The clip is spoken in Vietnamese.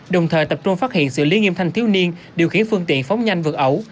đồng thời tập trung phát hiện xử lý nghiêm thanh thiếu niên điều khiển phương tiện phóng nhanh vượt ẩu